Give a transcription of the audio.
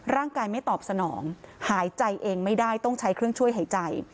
ร่างกายไม่ตอบสนองหายใจเองไม่ได้ต้องใช้เครื่องช่วยหายใจ